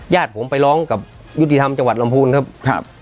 ญาติผมไปร้องกับยุติธรรมจังหวัดลำพูนครับ